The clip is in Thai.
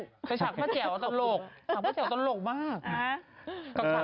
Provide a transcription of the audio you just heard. แต่ฉักก็แห๋วตลโลกแล้วตอนแห๋วตลโลกมาก